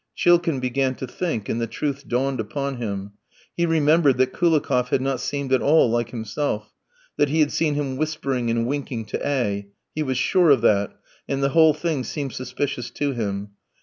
Chilkin began to think, and the truth dawned upon him. He remembered that Koulikoff had not seemed at all like himself, that he had seen him whispering and winking to A v; he was sure of that, and the whole thing seemed suspicious to him.